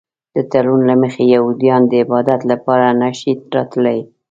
د تړون له مخې یهودان د عبادت لپاره نه شي راتلی.